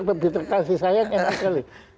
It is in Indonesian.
ketika kasih sayang enak sekali